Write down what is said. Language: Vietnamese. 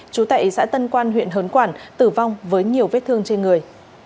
chú tệ xã tân quan huyện hớn quảng tử vong với nhiều vết thương trên người